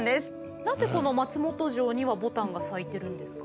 何でこの松本城には牡丹が咲いてるんですか？